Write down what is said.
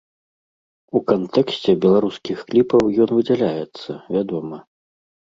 У кантэксце беларускіх кліпаў ён выдзяляецца, вядома.